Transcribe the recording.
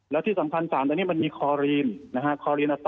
และที่สำคัญจากนี้มันมีคอรีน